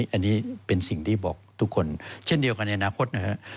อันนี้เป็นสิ่งที่บอกทุกคนเช่นเดียวกันในอนาคตนะฮะ